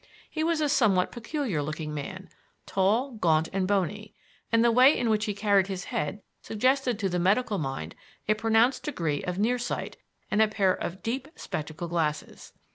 He was a somewhat peculiar looking man, tall, gaunt, and bony, and the way in which he carried his head suggested to the medical mind a pronounced degree of near sight and a pair of "deep" spectacle glasses.